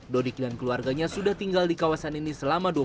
dodik dan keluarganya sudah tinggal di kawasan ini sejak tahun dua ribu lima belas